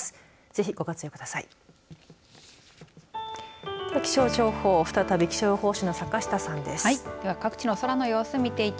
ぜひご活用ください。